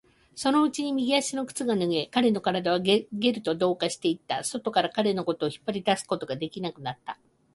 そのうちに右足の靴が脱げ、彼の体はゲルと同化していった。外から彼のことを引っ張り出すことができなくなった。